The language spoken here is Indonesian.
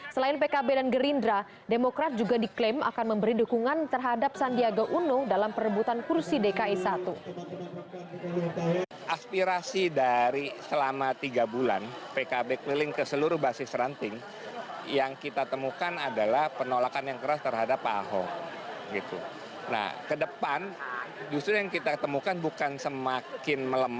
selain pkb dan gerindra demokrat juga diklaim akan memberi dukungan terhadap sandiaga uno dalam perebutan kursi dki satu